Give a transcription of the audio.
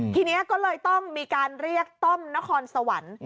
ทีนี้ก็เลยต้องมีการเรียกต้อมนครสวรรค์